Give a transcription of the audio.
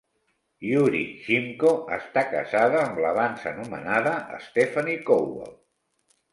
Yuri Shymko està casada amb l'abans anomenada Stephanie Kowal.